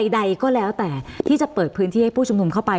ใดก็แล้วแต่ที่จะเปิดพื้นที่ให้ผู้ชุมนุมเข้าไป